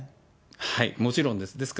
はい、もちろんです。